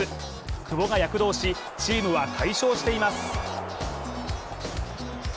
久保が躍動し、チームは快勝しています。